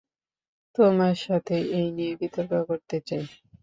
তোমার সাথে এই নিয়ে বিতর্ক করতে চাই।